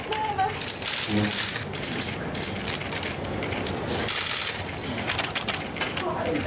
ขอบคุณมาก